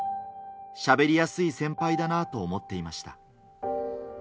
しゃべりやすい先輩だなと思っていました。